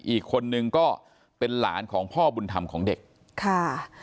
อีกคนนึงก็เป็นหลานของพ่อบุญธรรมของเด็กค่ะ